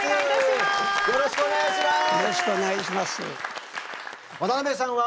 よろしくお願いします。